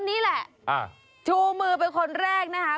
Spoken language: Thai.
นี่แหละชูมือเป็นคนแรกนะคะ